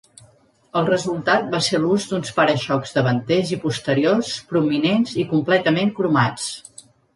El resultat va ser l'ús d'uns para-xocs davanters i posteriors prominents i completament cromats.